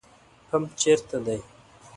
پمپ چیرته ده؟